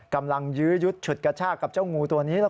กำลังยืดชุดกระชากกับเจ้างูตัวนี้